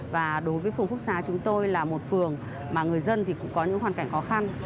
và đối với phường phúc xá chúng tôi là một phường mà người dân thì cũng có những hoàn cảnh khó khăn